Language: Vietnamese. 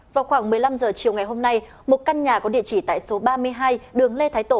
vào khoảng một mươi năm h chiều ngày hôm nay một căn nhà có địa chỉ tại số ba mươi hai đường lê thái tổ